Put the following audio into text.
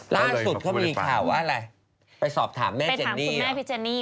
ล่าสุดก็มีข่าวอะไรไปสอบถามแม่เจนนี่เหรออเจนี่ไปถามคุณแม่พี่เจนนี่